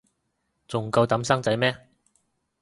仲夠膽生仔咩